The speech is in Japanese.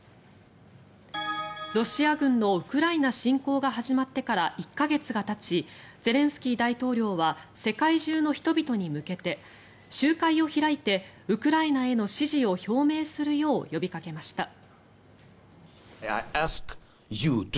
ロシア軍のウクライナ侵攻が始まってから１か月がたちゼレンスキー大統領は世界中の人々に向けて集会を開いてウクライナへの支持を表明するよう呼びかけました。